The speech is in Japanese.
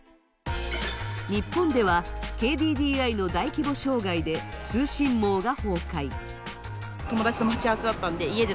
日本ではＫＤＤＩの大規模障害で通信網が崩壊。